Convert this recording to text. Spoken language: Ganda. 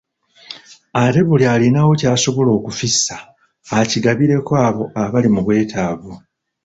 Ate buli alinawo kyasobola okufissa akigabireko abo abali mu bwetaavu.